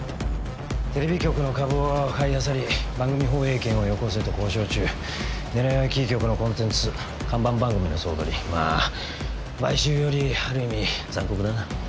テレビ局の株を買いあさり番組放映権をよこせと交渉中狙いはキー局のコンテンツ看板番組の総取りまあ買収よりある意味残酷だな